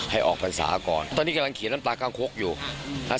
ให้ออกภาษาก่อนตอนนี้กำลังเขียนน้ำตาคังคกอยู่นะฮะ